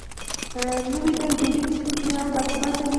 نوې ډلې جوړېږي، چې کوچنۍ او باثباته وي.